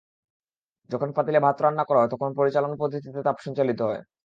যখন পাতিলে ভাত রান্না করা হয়, তখন পরিচলন পদ্ধতিতে তাপ সঞ্চালিত হয়।